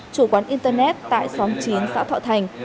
chủ quán internet tại xóm chín xã thọ thành